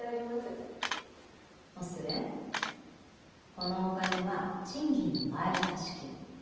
このお金は賃金の前渡し金。